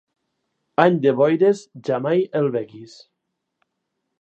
Any de boires, jamai el vegis.